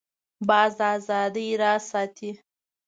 باز د آزادۍ راز ساتي